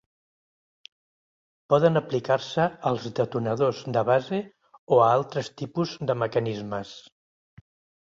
Poden aplicar-se als detonadors de base o a altres tipus de mecanismes.